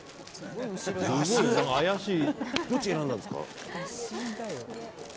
どっち選んだんですか？